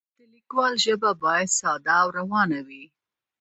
د لیکوال ژبه باید ساده او روانه وي.